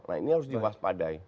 nah ini harus dibahas padai